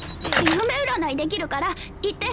夢占いできるから言って。